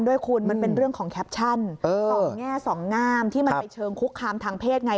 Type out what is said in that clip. ด้วยคุณมันเป็นเรื่องของแคปชั่นสองแง่สองงามที่มันไปเชิงคุกคามทางเพศไง